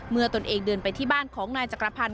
เมื่อตัวเองเดินไปที่บ้านของนายจักรพรรณ